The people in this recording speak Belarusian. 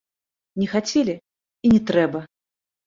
Не хацелі, і не трэба!